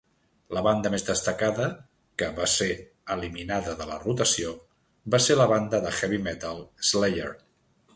La banda més destacada que va ser eliminada de la rotació va ser la banda de heavy metal, Slayer.